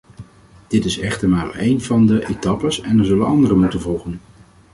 Dit is echter maar een van de etappes en er zullen andere moeten volgen.